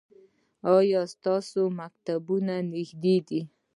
ایا ستاسو مکتب نږدې دی؟